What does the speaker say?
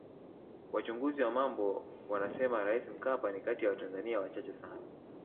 Wachunguzi wa mambo wanasema Rais Mkapa ni kati ya watanzania wachache sana